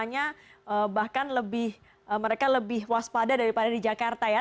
artinya di sana suasananya bahkan lebih mereka lebih waspada daripada di jakarta ya